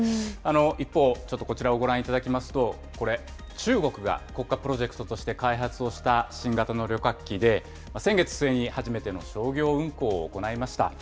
一方、ちょっとこちらをご覧いただきますと、これ、中国が国家プロジェクトとして、開発をした新型の旅客機で、先月末に初めての商業運航を行いました。